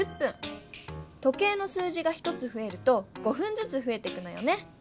時計の数字が１つふえると５ふんずつふえていくのよね。